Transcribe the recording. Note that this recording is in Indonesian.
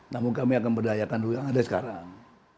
namun kami akan berdayakan dulu yang ada sekarang